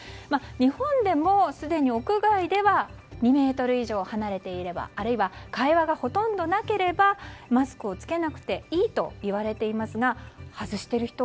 日本でもすでに屋外では、２ｍ以上離れていればあるいは会話がほとんどなければマスクを着けなくていいといわれていますが外している人